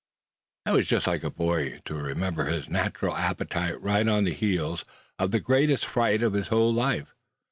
That was just like a boy, to remember his natural appetite right on the heels of the greatest fright of his whole life.